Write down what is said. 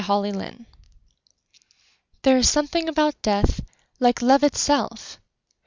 William and Emily There is something about Death Like love itself!